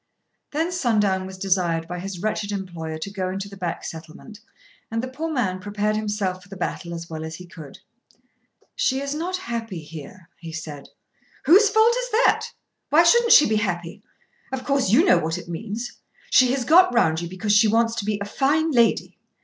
Then Sundown was desired by his wretched employer to go into the back settlement and the poor man prepared himself for the battle as well as he could. "She is not happy here," he said. "Whose fault is that? Why shouldn't she be happy? Of course you know what it means. She has got round you because she wants to be a fine lady.